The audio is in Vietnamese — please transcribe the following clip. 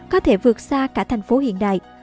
có thể vượt xa cả thành phố hiện đại